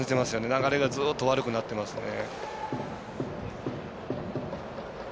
流れ、ずっと悪くなってますよね。